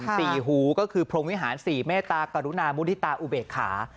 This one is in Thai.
สี่หูก็คือพรมวิหารสี่เมตตากรุณามุฒิตาอุเบกขา